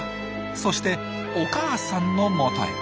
そしてお母さんのもとへ。